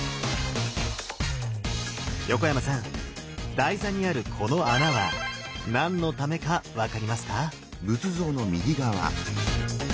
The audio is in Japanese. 横山さん台座にあるこの穴は何のためか分かりますか？